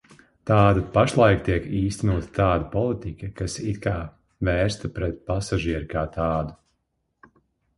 Tātad pašlaik tiek īstenota tāda politika, kas it kā vērsta pret pasažieri kā tādu.